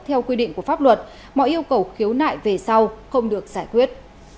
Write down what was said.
theo quy định của pháp luật